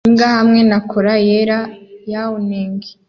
Imbwa hamwe na cola yera yawning